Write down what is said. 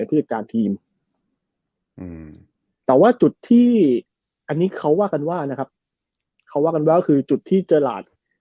อืมแต่ว่าจุดที่อันนี้เขาว่ากันว่านะครับเขาว่ากันว่าก็คือจุดที่เจอราหลาด